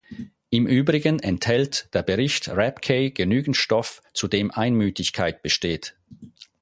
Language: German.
Im Übrigen enthält der Bericht Rapkay genügend Stoff, zu dem Einmütigkeit besteht.